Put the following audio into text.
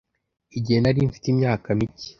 Igihe nari mfite imyaka mike